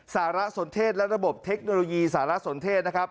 สารสนเทศและระบบเทคโนโลยีสารสนเทศนะครับ